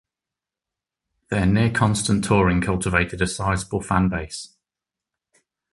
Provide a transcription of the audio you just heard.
Their near-constant touring cultivated a sizeable fan base.